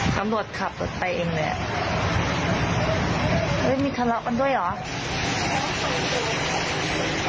ตำรวจขับรถไปเองเลยอ่ะเฮ้ยมีทะเลาะกันด้วยเหรอ